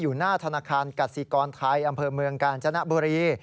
หน้าธนาคารกสิกรไทยอำเภอเมืองกาญจนบุรี